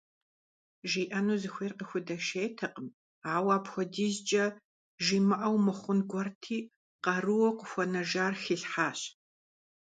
ЖиӀэну зыхуейр къыхудэшейтэкъым, ауэ апхуэдизкӀэ жимыӀэу мыхъун гуэрти, къарууэ къыхуэнэжар хилъхьащ.